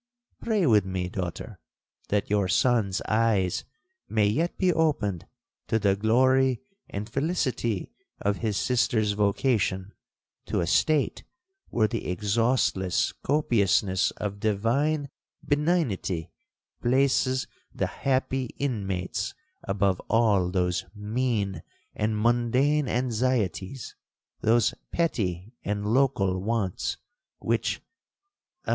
Pray with me, daughter, that your son's eyes may yet be opened to the glory and felicity of his sister's vocation to a state where the exhaustless copiousness of divine benignity places the happy inmates above all those mean and mundane anxieties, those petty and local wants, which—Ah!